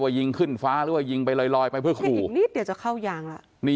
ว่ายิงขึ้นฟ้าหรือว่ายิงไปลอยไปเพื่อขู่เดี๋ยวเดี๋ยวจะเข้ายางละมี